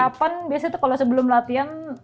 kapan biasanya tuh kalau sebelum latihan